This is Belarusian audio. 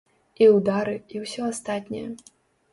І ўдары, і ўсё астатняе.